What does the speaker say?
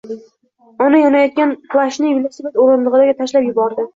Ona yonayotgan plashchni velosiped o‘rindig‘iga tashlab yubordi